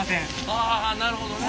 あなるほどね。